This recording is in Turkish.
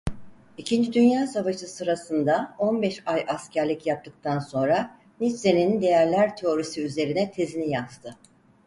İkinci Dünya Savaşı sırasında on beş ay askerlik yaptıktan sonra "Nietzsche'nin Değerler Teorisi" üzerine tezini yazdı.